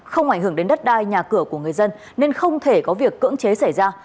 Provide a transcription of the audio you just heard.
không ảnh hưởng đến đất đai nhà cửa của người dân nên không thể có việc cưỡng chế xảy ra